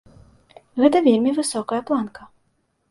Гэта вельмі высокая планка.